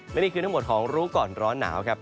และนี่คือทั้งหมดของรู้ก่อนร้อนหนาวครับ